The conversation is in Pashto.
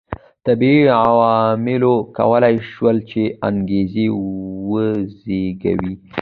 طبیعي عواملو کولای شول چې انګېزې وزېږوي.